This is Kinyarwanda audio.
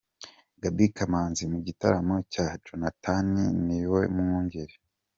Gaby Kamanzi mu gitaramo cya Jonathan Niyomwungere.